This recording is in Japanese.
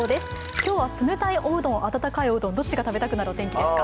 今日はつめたいおうどん、温かいおうどん、どっちが食べたくなる気温ですか？